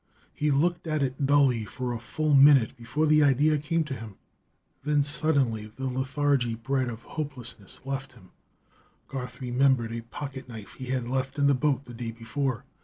He looked at it dully for a full minute before the idea came to him. Then suddenly the lethargy bred of hopelessness left him. Garth remembered a pocket knife he had left in the boat the day before.